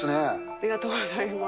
ありがとうございます。